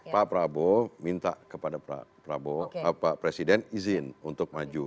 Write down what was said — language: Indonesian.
pak prabowo minta kepada pak presiden izin untuk maju